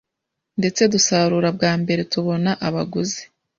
ndetse dusarura bwa mbere tubona abaguzi